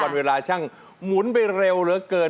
เวลาช่างหมุนไปเร็วเหลือเกิน